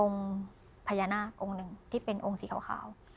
พญานาคองค์หนึ่งที่เป็นองค์สีขาว